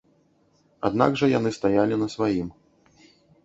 Аднак жа яны стаялі на сваім.